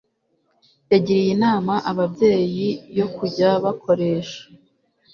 yagiriye inama ababyeyi yo kujya bakoresha